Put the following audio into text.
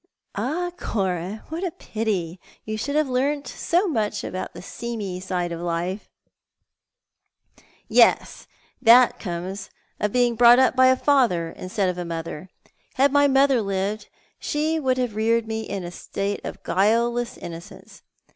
" Ah, Cora, what a pity you should have learnt so much about the seamy side of life !"" Yes, that comes of being brought up by a father instead of a mother. Had my mother lived she would have reared me in a state of guileless innocence.